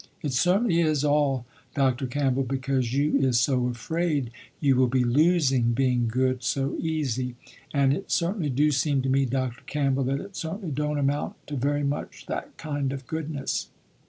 It certainly is all Dr. Campbell because you is so afraid you will be losing being good so easy, and it certainly do seem to me Dr. Campbell that it certainly don't amount to very much that kind of goodness."